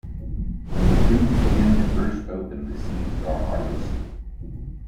When the fruits begin to burst open, the seeds are harvested.